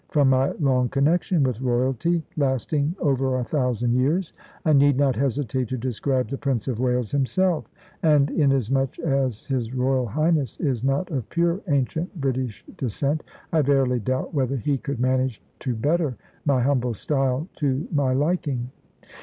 From my long connection with royalty, lasting over a thousand years, I need not hesitate to describe the Prince of Wales himself; and inasmuch as His Royal Highness is not of pure ancient British descent, I verily doubt whether he could manage to better my humble style to my liking.